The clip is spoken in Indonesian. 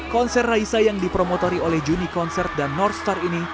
konser raisa yang dipromotori oleh juni konsert dan nortstar ini